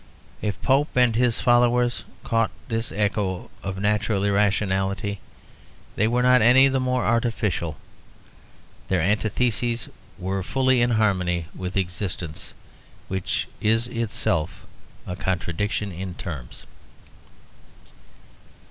If Pope and his followers caught this echo of natural irrationality, they were not any the more artificial. Their antitheses were fully in harmony with existence, which is itself a contradiction in terms.